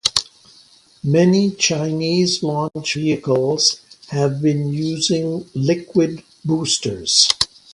Many Chinese launch vehicles have been using liquid boosters.